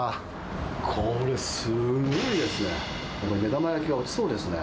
これ、すごいですね。